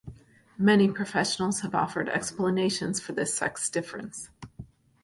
Many professionals have offered explanations for this sex difference.